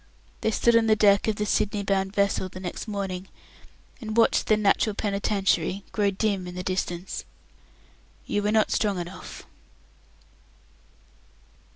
They stood on the deck of the Sydney bound vessel the next morning, and watched the "Natural Penitentiary" grow dim in the distance. "You were not strong enough."